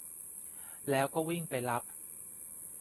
แล้วก็วิ่งไปรับ